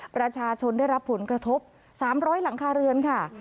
ประชาชนได้รับผลกระทบ๓๐๐หลังคาเรือนค่ะ